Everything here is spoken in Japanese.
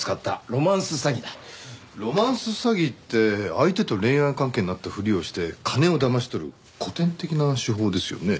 ロマンス詐欺って相手と恋愛関係になったふりをして金をだまし取る古典的な手法ですよね。